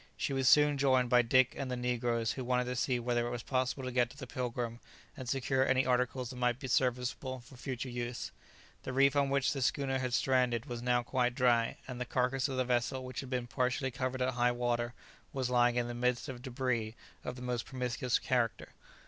She was soon joined by Dick and the negroes, who wanted to see whether it was possible to get to the "Pilgrim," and secure any articles that might be serviceable for future use. The reef on which the schooner had stranded was now quite dry, and the carcase of the vessel which had been partially covered at high water was lying in the midst of debris of the most promiscuous character.